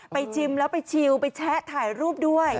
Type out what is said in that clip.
ชิมแล้วไปชิลไปแชะถ่ายรูปด้วย